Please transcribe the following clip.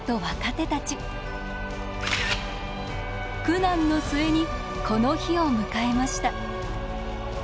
苦難の末にこの日を迎えました。